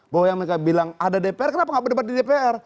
bahwa yang mereka bilang ada dpr kenapa nggak berdebat di dpr